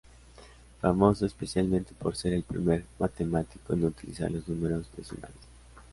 Famoso especialmente por ser el primer matemático en utilizar los números decimales.